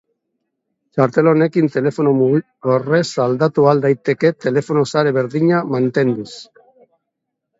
Txartel honekin telefono mugikorrez aldatu ahal daiteke telefono-sare berdina mantenduz.